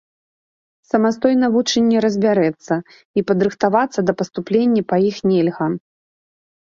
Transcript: Самастойна вучань не разбярэцца, і падрыхтавацца да паступлення па іх нельга.